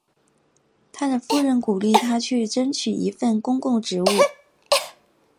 他的夫人鼓励他去争取一份公共职务。